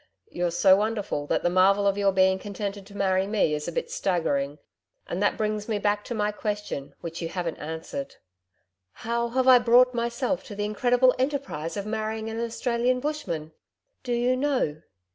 You're so wonderful that the marvel of your being contented to marry me is a bit staggering. And that brings me back to my question, which you haven't answered.' 'How have I brought myself to the incredible enterprise of marrying an Australian bushman? Do you know?'